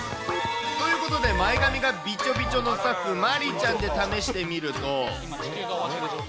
ということで、前髪がびちょびちょのスタッフ、マリちゃんで試してみると。